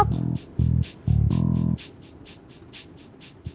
pak sam kita kena ngagepwhere severasalo